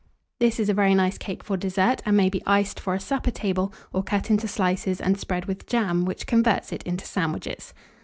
This is a very nice cake for dessert, and may be iced for a supper table, or cut into slices and spread with jam, which converts it into sandwiches.